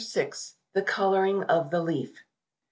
THE COLOURING OF THE LEAF.